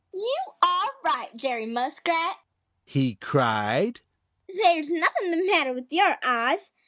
"You are right, Jerry Muskrat!" he cried. "There's nothing the matter with your eyes.